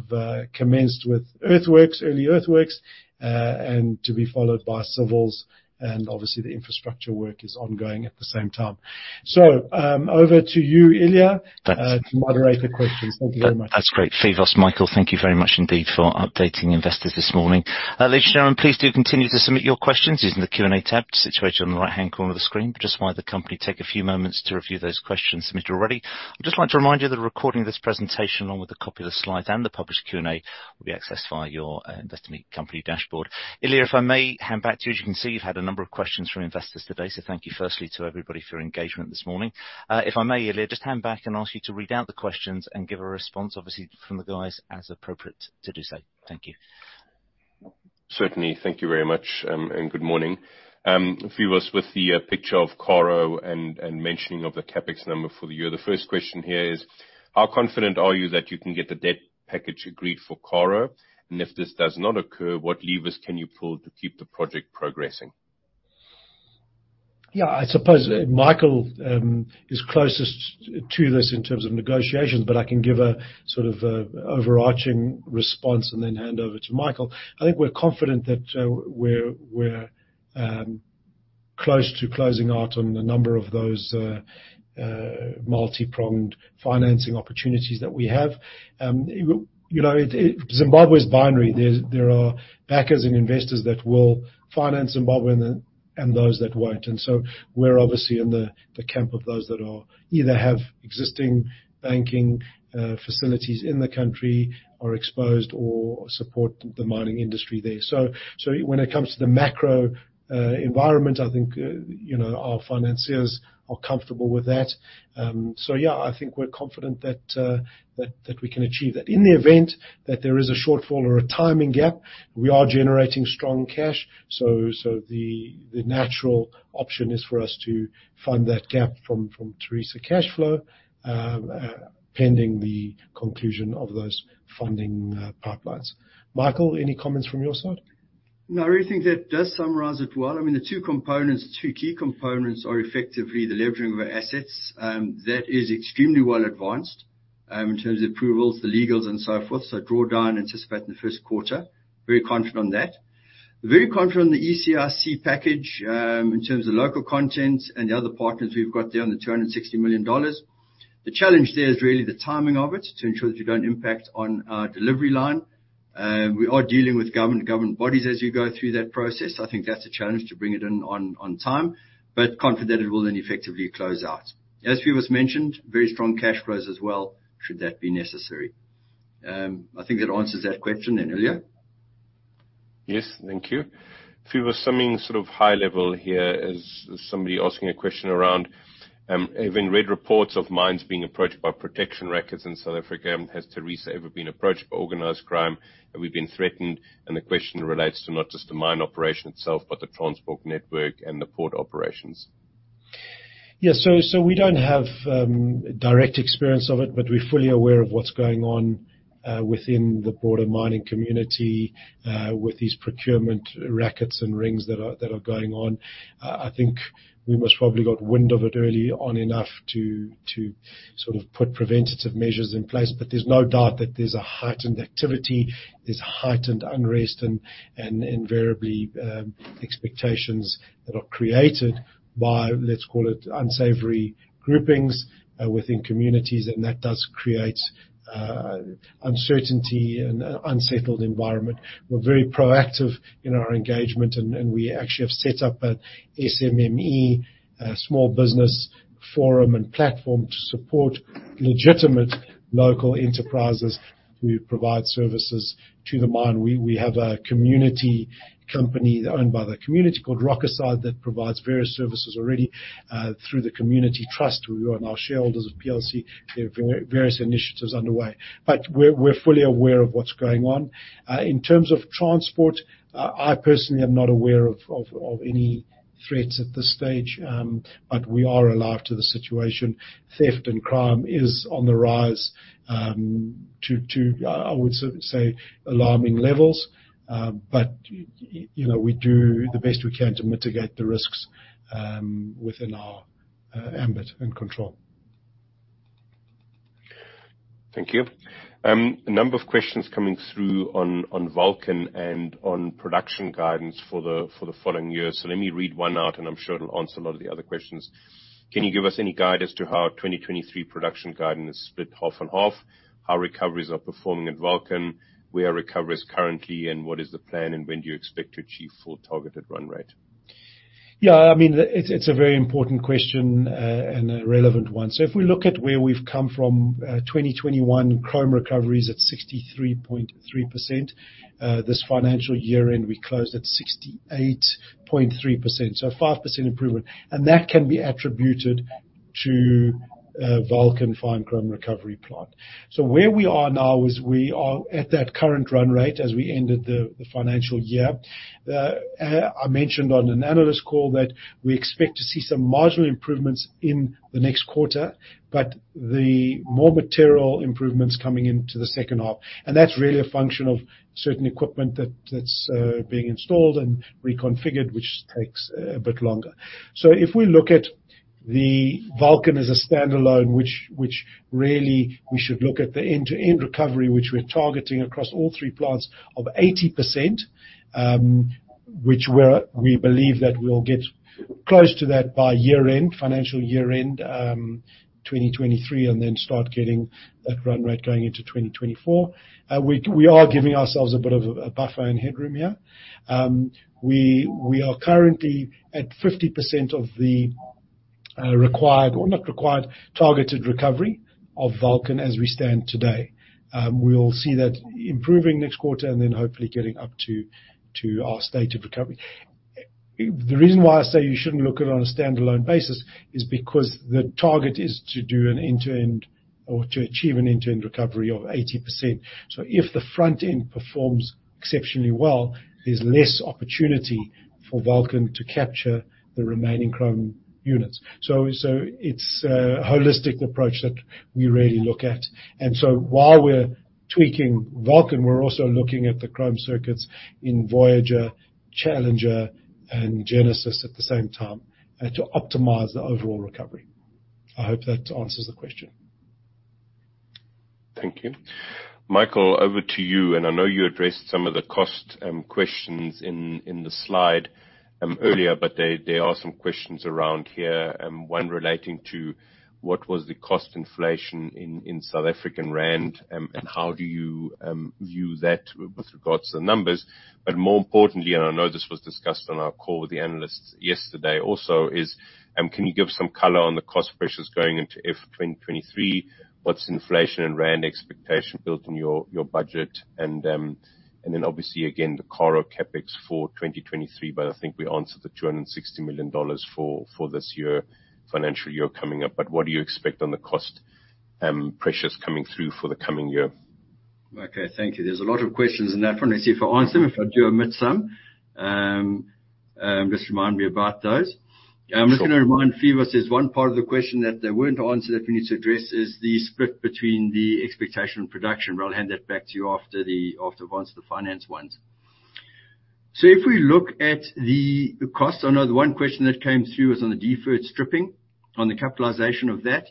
commenced with earthworks, early earthworks, and to be followed by civils, and obviously the infrastructure work is ongoing at the same time. Over to you, Ilja. Thanks. To moderate the questions. Thank you very much. That's great. Phoevos, Michael, thank you very much indeed for updating investors this morning. Ladies and gentlemen, please do continue to submit your questions using the Q&A tab situated on the right-hand corner of the screen. Just while the company take a few moments to review those questions submitted already, I'd just like to remind you that a recording of this presentation, along with a copy of the slides and the published Q&A, will be accessed via your Investor Meet Company dashboard. Ilja, if I may hand back to you. As you can see, you've had a number of questions from investors today. Thank you firstly to everybody for your engagement this morning. If I may, Ilja, just hand back and ask you to read out the questions and give a response, obviously from the guys, as appropriate to do so. Thank you. Certainly. Thank you very much, and good morning. Phoevos, with the picture of Karo and mentioning of the CapEx number for the year, the first question here is, how confident are you that you can get the debt package agreed for Karo? If this does not occur, what levers can you pull to keep the project progressing? Yeah, I suppose Michael is closest to this in terms of negotiations, but I can give a, sort of, overarching response and then hand over to Michael. I think we're confident that we're close to closing out on a number of those multipronged financing opportunities that we have. You know, Zimbabwe is binary. There are backers and investors that will finance Zimbabwe and those that won't. We're obviously in the camp of those that are either have existing banking facilities in the country or exposed or support the mining industry there. When it comes to the macro environment, I think, you know, our financiers are comfortable with that. Yeah, I think we're confident that we can achieve that. In the event that there is a shortfall or a timing gap, we are generating strong cash. The natural option is for us to fund that gap from Tharisa cash flow, pending the conclusion of those funding pipelines. Michael, any comments from your side? I really think that does summarize it well. I mean, the two components, the two key components are effectively the leveraging of our assets. That is extremely well advanced, in terms of approvals, the legals and so forth. Draw down anticipate in the first quarter. Very confident on that. Very confident on the ECRC package, in terms of local content and the other partners we've got there on the $260 million. The challenge there is really the timing of it to ensure that you don't impact on our delivery line. We are dealing with government bodies as we go through that process. I think that's a challenge to bring it in on time, but confident it will then effectively close out. As Phoevos mentioned, very strong cash flows as well, should that be necessary. I think that answers that question then, Ilja. Yes. Thank you. Phoevos, something sort of high level here as somebody asking a question around, having read reports of mines being approached by protection rackets in South Africa, has Tharisa ever been approached by organized crime? Have we been threatened? The question relates to not just the mine operation itself but the transport network and the port operations. Yeah. We don't have direct experience of it, but we're fully aware of what's going on within the broader mining community with these procurement rackets and rings that are going on. I think we most probably got wind of it early on enough to sort of put preventative measures in place. There's no doubt that there's a heightened activity, there's heightened unrest and invariably expectations that are created by, let's call it, unsavory groupings within communities, and that does create uncertainty and a unsettled environment. We're very proactive in our engagement, and we actually have set up a SMME, a small business forum and platform to support legitimate local enterprises who provide services to the mine. We have a community company owned by the community called Rockaside that provides various services already, through the community trust with you and our shareholders of PLC. There are various initiatives underway. We're fully aware of what's going on. In terms of transport, I personally am not aware of any threats at this stage, but we are alive to the situation. Theft and crime is on the rise, to I would say alarming levels. You know, we do the best we can to mitigate the risks, within our ambit and control. Thank you. A number of questions coming through on Vulcan and on production guidance for the following year. Let me read one out, and I'm sure it'll answer a lot of the other questions. Can you give us any guide as to how our 2023 production guidance is split half and half, how recoveries are performing at Vulcan, where our recovery is currently and what is the plan, and when do you expect to achieve full targeted run rate? Yeah, I mean, it's a very important question and a relevant one. If we look at where we've come from, 2021 chrome recovery is at 63.3%. This financial year-end, we closed at 68.3%, so 5% improvement. That can be attributed to the Vulcan Fine Chrome Recovery Plant. Where we are now is we are at that current run rate as we ended the financial year. I mentioned on an analyst call that we expect to see some marginal improvements in the next quarter, the more material improvements coming into the second half. That's really a function of certain equipment that's being installed and reconfigured, which takes a bit longer. If we look at the Vulcan as a standalone, which really we should look at the end-to-end recovery, which we're targeting across all three plants of 80%, which we believe that we'll get close to that by year-end, financial year-end, 2023, and then start getting that run rate going into 2024. We are giving ourselves a bit of a buffer and headroom here. We are currently at 50% of the required or not required, targeted recovery of Vulcan as we stand today. We'll see that improving next quarter and then hopefully getting up to our state of recovery. The reason why I say you shouldn't look at it on a standalone basis is because the target is to do an end-to-end or to achieve an end-to-end recovery of 80%. If the front end performs exceptionally well, there's less opportunity for Vulcan to capture the remaining chrome units. It's a holistic approach that we really look at. While we're tweaking Vulcan, we're also looking at the chrome circuits in Voyager, Challenger and Genesis at the same time, to optimize the overall recovery. I hope that answers the question. Thank you. Michael, over to you. I know you addressed some of the cost questions in the slide earlier, but there are some questions around here, one relating to what was the cost inflation in ZAR, and how do you view that with regards to the numbers. More importantly, and I know this was discussed on our call with the analysts yesterday also is, can you give some color on the cost pressures going into FY 2023? What's inflation and ZAR expectation built in your budget and then obviously again, the Karo CapEx for 2023, but I think we answered the $260 million for this year, financial year coming up. What do you expect on the cost pressures coming through for the coming year? Okay. Thank you. There's a lot of questions in that one. Let's see if I answer them. If I do omit some, just remind me about those. Sure. I'm just gonna remind Phoevos there's one part of the question that they weren't answered that we need to address, is the split between the expectation and production. I'll hand that back to you after I've answered the finance ones. If we look at the costs, I know the one question that came through was on the deferred stripping, on the capitalization of that.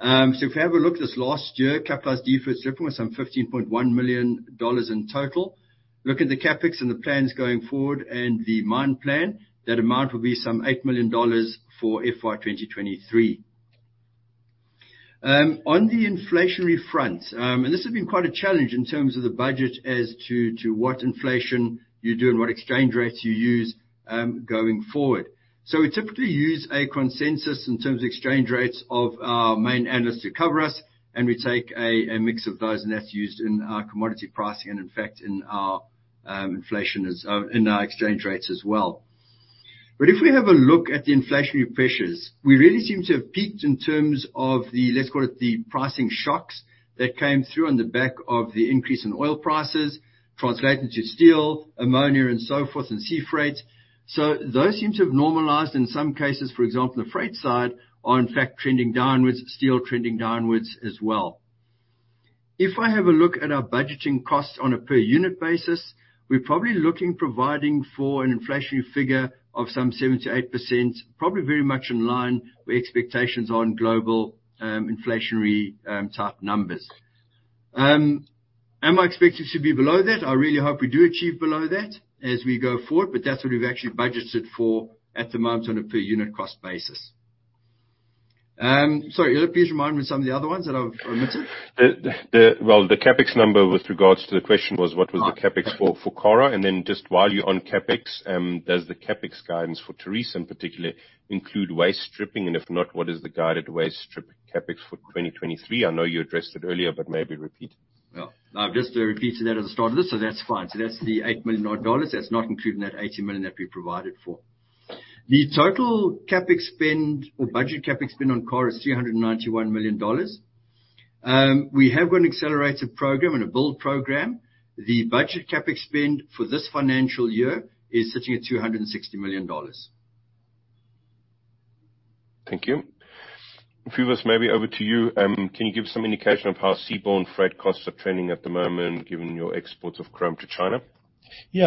If we have a look this last year, capitalized deferred stripping was some $15.1 million in total. Look at the CapEx and the plans going forward and the mine plan, that amount will be some $8 million for FY 2023. On the inflationary front, this has been quite a challenge in terms of the budget as to what inflation you do and what exchange rates you use, going forward. We typically use a consensus in terms of exchange rates of our main analysts who cover us, and we take a mix of those, and that's used in our commodity pricing and in fact in our exchange rates as well. If we have a look at the inflationary pressures, we really seem to have peaked in terms of the, let's call it, the pricing shocks that came through on the back of the increase in oil prices, translated to steel, ammonia and so forth, and sea freight. Those seem to have normalized in some cases, for example, the freight side are in fact trending downwards, steel trending downwards as well. If I have a look at our budgeting costs on a per unit basis, we're probably looking providing for an inflationary figure of some 7%-8%, probably very much in line with expectations on global inflationary type numbers. Am I expected to be below that? I really hope we do achieve below that as we go forward, but that's what we've actually budgeted for at the moment on a per unit cost basis. Sorry. Will you please remind me some of the other ones that I've missed? Well, the CapEx number with regards to the question was what was the CapEx for Karo. Just while you're on CapEx, does the CapEx guidance for Tharisa in particular include waste stripping? If not, what is the guided waste strip CapEx for 2023? I know you addressed it earlier, but maybe repeat. Well, I've just repeated that at the start of this, so that's fine. That's the $8 million odd dollars. That's not including that $80 million that we provided for. The total CapEx spend or budget CapEx spend on Karo is $391 million. we have got an accelerated program and a build program. The budget CapEx spend for this financial year is sitting at $260 million. Thank you. Phoevos, maybe over to you. Can you give some indication of how seaborne freight costs are trending at the moment, given your exports of chrome to China? Yeah,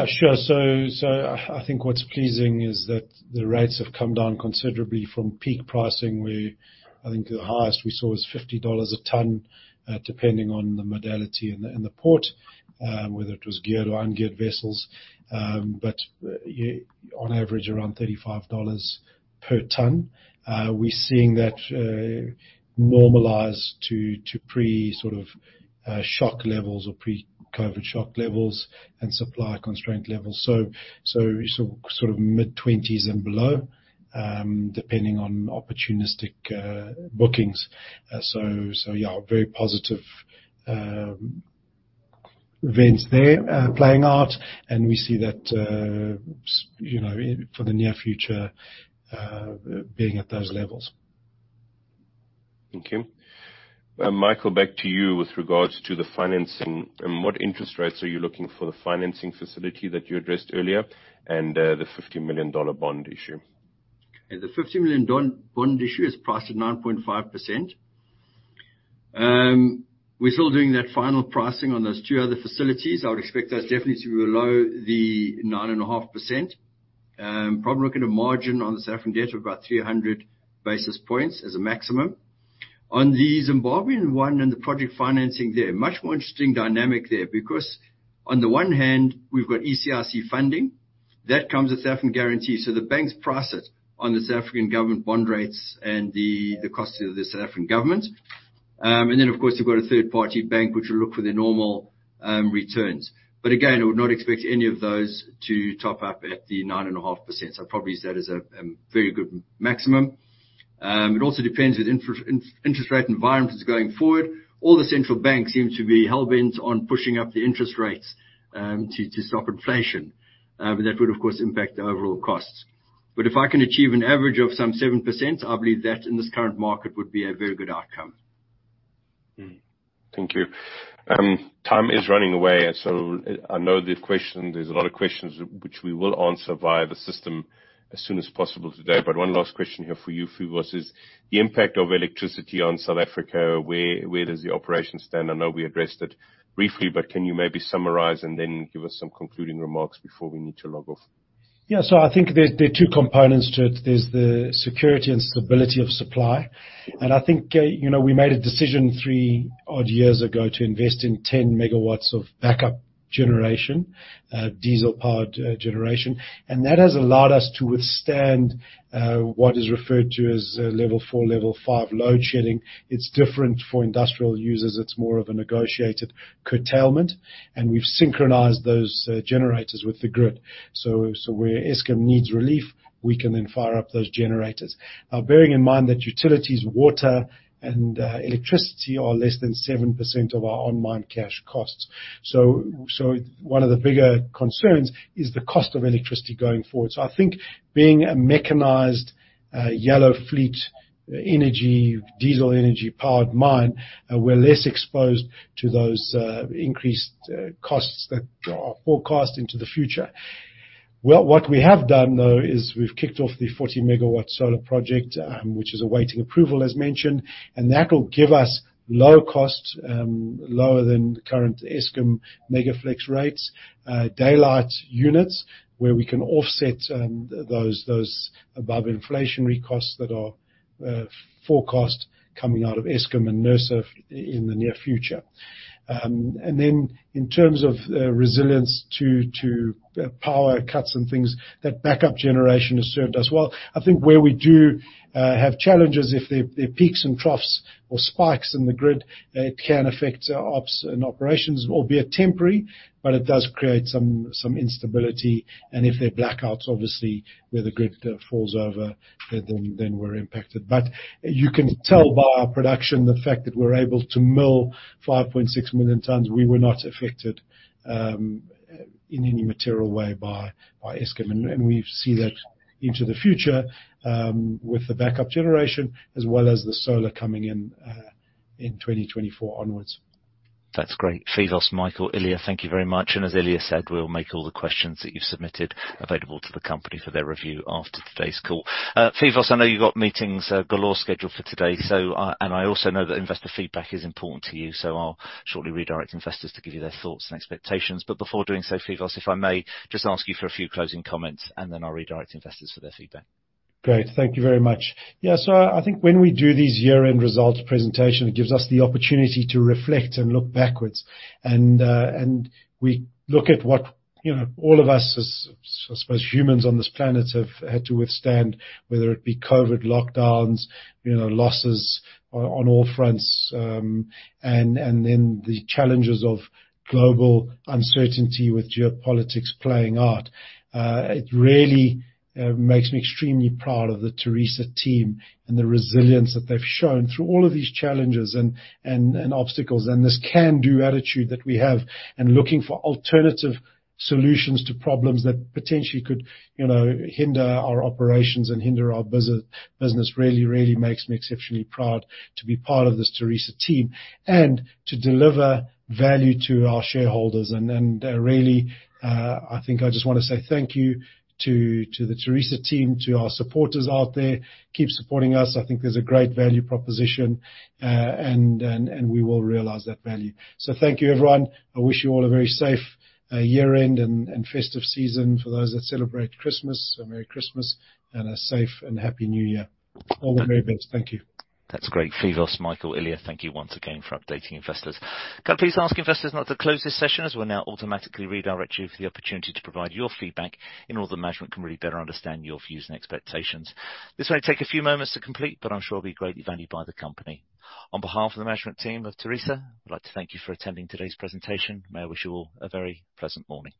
sure. I think what's pleasing is that the rates have come down considerably from peak pricing, where I think the highest we saw was $50 a ton, depending on the modality and the port, whether it was geared or un-geared vessels. On average, around $35 per ton. We're seeing that normalize to pre sort of shock levels or pre-COVID shock levels and supply constraint levels. Sort of mid-20s and below, depending on opportunistic bookings. Yeah, very positive events there playing out, and we see that, you know, for the near future, being at those levels. Thank you. Michael, back to you with regards to the financing. What interest rates are you looking for the financing facility that you addressed earlier and the $50 million bond issue? The $50 million bond issue is priced at 9.5%. We're still doing that final pricing on those two other facilities. I would expect those definitely to be below the 9.5%. Probably looking at margin on the South African debt of about 300 basis points as a maximum. On the Zimbabwean one and the project financing there, much more interesting dynamic there because on the one hand, we've got ECIC funding. That comes with South African guarantee, the banks price it on the South African government bond rates and the cost of the South African government. Of course, you've got a third-party bank which will look for their normal returns. Again, I would not expect any of those to top up at the 9.5%. I'd probably use that as a very good maximum. It also depends on interest rate environments going forward. All the central banks seem to be hell-bent on pushing up the interest rates to stop inflation. That would, of course, impact the overall costs. If I can achieve an average of some 7%, I believe that in this current market would be a very good outcome. Thank you. Time is running away. There's a lot of questions which we will answer via the system as soon as possible today. One last question here for you, Phoevos, is the impact of electricity on South Africa, where does the operation stand? I know we addressed it briefly, can you maybe summarize and then give us some concluding remarks before we need to log off? Yeah. I think there are two components to it. There's the security and stability of supply. I think, you know, we made a decision three odd years ago to invest in 10 MW of backup generation, diesel-powered generation, and that has allowed us to withstand what is referred to as level four, level five load shedding. It's different for industrial users. It's more of a negotiated curtailment, and we've synchronized those generators with the grid. Where Eskom needs relief, we can then fire up those generators. Bearing in mind that utilities, water and electricity are less than 7% of our on-mine cash costs. One of the bigger concerns is the cost of electricity going forward. I think being a mechanized, yellow fleet energy, diesel energy powered mine, we're less exposed to those increased costs that are forecast into the future. What we have done though, is we've kicked off the 40 MW solar project, which is awaiting approval, as mentioned, and that will give us lower costs, lower than the current Eskom Megaflex rates, daylight units where we can offset those above-inflationary costs that are forecast coming out of Eskom and NERSA in the near future. In terms of resilience to power cuts and things, that backup generation has served us well. I think where we do have challenges, if there are peaks and troughs or spikes in the grid, it can affect our ops and operations, albeit temporary, but it does create some instability. If there are blackouts, obviously, where the grid falls over, then we're impacted. You can tell by our production, the fact that we're able to mill 5.6 million tons, we were not affected in any material way by Eskom. We see that into the future with the backup generation as well as the solar coming in in 2024 onwards. That's great. Phoevos, Michael, Ilja, thank you very much. As Ilja said, we'll make all the questions that you've submitted available to the company for their review after today's call. Phoevos, I know you've got meetings galore scheduled for today, so, and I also know that investor feedback is important to you, so I'll shortly redirect investors to give you their thoughts and expectations. Before doing so, Phoevos, if I may just ask you for a few closing comments, and then I'll redirect investors for their feedback. Great. Thank you very much. I think when we do these year-end results presentation, it gives us the opportunity to reflect and look backwards. We look at what, you know, all of us as, I suppose, humans on this planet have had to withstand, whether it be COVID lockdowns, you know, losses on all fronts, the challenges of global uncertainty with geopolitics playing out. It really makes me extremely proud of the Tharisa team and the resilience that they've shown through all of these challenges and obstacles and this can-do attitude that we have and looking for alternative solutions to problems that potentially could, you know, hinder our operations and hinder our business really makes me exceptionally proud to be part of this Tharisa team and to deliver value to our shareholders. Really, I think I just wanna say thank you to the Tharisa team, to our supporters out there. Keep supporting us. I think there's a great value proposition, and we will realize that value. Thank you, everyone. I wish you all a very safe year-end and festive season. For those that celebrate Christmas, a Merry Christmas and a safe and Happy New Year. All the very best. Thank you. That's great. Phoevos, Michael, Ilja, thank you once again for updating investors. Can I please ask investors now to close this session, as we'll now automatically redirect you for the opportunity to provide your feedback in order that management can really better understand your views and expectations. This may take a few moments to complete, but I'm sure it'll be greatly valued by the company. On behalf of the management team of Tharisa, I'd like to thank you for attending today's presentation. May I wish you all a very pleasant morning.